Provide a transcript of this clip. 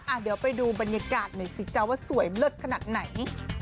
เดี๋ยวไปดูบรรยากาศหน่อยสิจ๊ะว่าสวยเลิศขนาดไหน